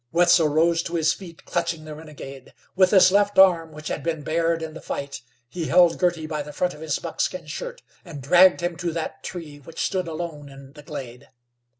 Wetzel rose to his feet clutching the renegade. With his left arm, which had been bared in the fight, he held Girty by the front of his buckskin shirt, and dragged him to that tree which stood alone in the glade.